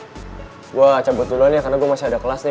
coba gue sebut dulu nih karena gue masih ada kelas nih